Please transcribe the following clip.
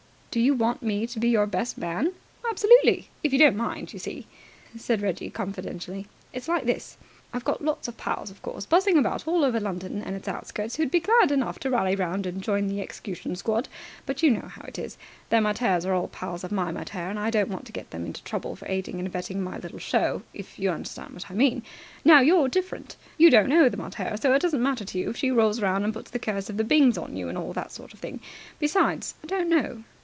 "Do you want me to be your best man?" "Absolutely, if you don't mind. You see," said Reggie confidentially, "it's like this. I've got lots of pals, of course, buzzing about all over London and its outskirts, who'd be glad enough to rally round and join the execution squad; but you know how it is. Their maters are all pals of my mater, and I don't want to get them into trouble for aiding and abetting my little show, if you understand what I mean. Now, you're different. You don't know the mater, so it doesn't matter to you if she rolls around and puts the Curse of the Byngs on you, and all that sort of thing. Besides, I don't know."